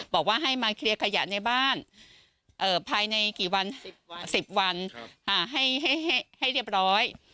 บอกว่าให้มาเคลียร์ขยะในบ้านภายในกี่วัน๑๐วันให้เรียบร้อย